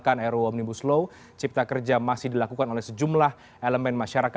ada pertemuan juga